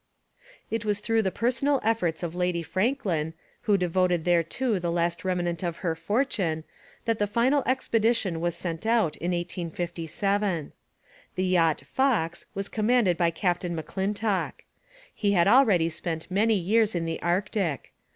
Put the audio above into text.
It was through the personal efforts of Lady Franklin, who devoted thereto the last remnant of her fortune, that the final expedition was sent out in 1857. The yacht Fox was commanded by Captain M'Clintock. He had already spent many years in the Arctic.